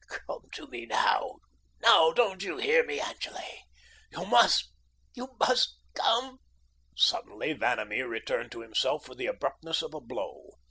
"Come to me now, now. Don't you hear me, Angele? You must, you must come." Suddenly Vanamee returned to himself with the abruptness of a blow.